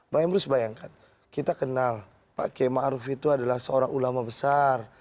bang emrus bayangkan kita kenal pak kiai ma'ruf itu adalah seorang ulama besar